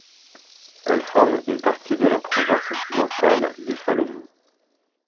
Elles forment une partie de la Province occidentale des Salomon.